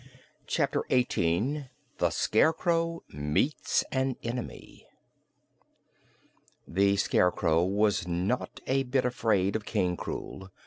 Chapter Eighteen The Scarecrow Meets an Enemy The Scarecrow was not a bit afraid of King Krewl.